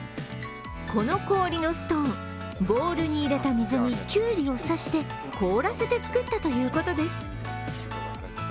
この氷のストーン、ボールに入れた水にきゅうりをさして凍らせて作ったということです。